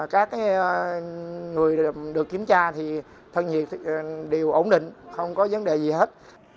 các người được kiểm tra thì thân nhiệt đều ổn định không có vấn đề gì hết